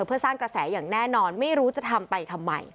เพื่อสร้างกระแสอย่างแน่นอนไม่รู้จะทำไปทำไม